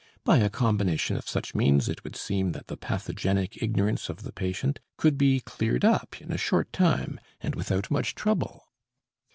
By a combination of such means it would seem that the pathogenic ignorance of the patient could be cleared up in a short time and without much trouble.